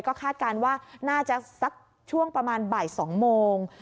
ก็คาดการณ์ว่าน่าจะสักช่วงประมาณบ่าย๒โมง